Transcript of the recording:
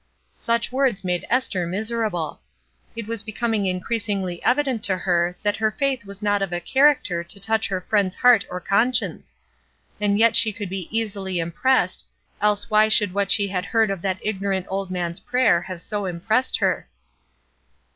Such words made Esther miserable. It was becoming increasingly evident to her that her MELINDY 191 faith was not of a character to touch her friend's heart or conscience. And yet she could be easily impressed, else why should what she had heard of that ignorant old man's prayer have so impressed her.